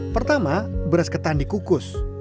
pertama beras ketan dikukus